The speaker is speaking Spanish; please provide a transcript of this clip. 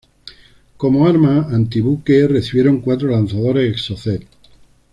Como armas antibuque recibieron cuatro lanzadores Exocet.